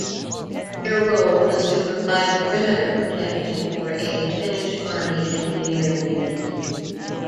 Their role was to provide perimeter protection for a Finnish Army engineering unit.